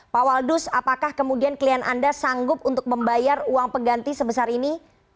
pak waldus apakah kemudian klien anda sanggup untuk membayar uang pengganti sebesar ini